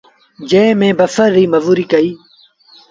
جݩهݩ ميݩ بسر ريٚ مزوريٚ ڪئيٚ۔